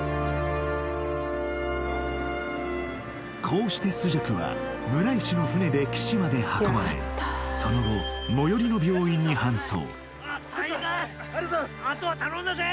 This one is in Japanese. こうして朱雀は村石の船で岸まで運ばれその後最寄りのありがとうございます